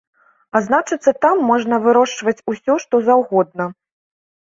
А значыцца, там можна вырошчваць усё што заўгодна.